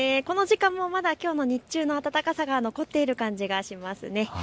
この時間もまだきょうの日中の暖かさが残っている感じがします。